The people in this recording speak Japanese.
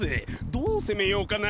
どう攻めようかな。